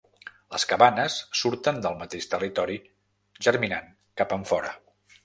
Les cabanes surten del mateix territori, germinant cap enfora.